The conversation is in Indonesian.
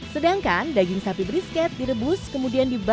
sedangkan daging sapi brisket direbus kemudian dibakar